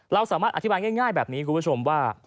เราสามารถอธิบายง่ายแบบนี้คุณผู้ชมว่า